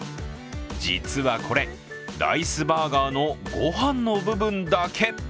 実はこれ、ライスバーガーの御飯の部分だけ。